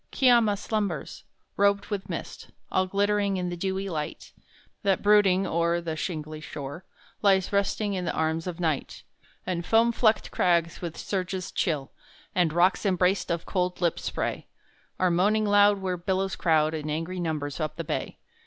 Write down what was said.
Kiama slumbers, robed with mist, All glittering in the dewy light That, brooding o'er The shingly shore, Lies resting in the arms of Night; And foam flecked crags with surges chill, And rocks embraced of cold lipped spray, Are moaning loud where billows crowd In angry numbers up the bay.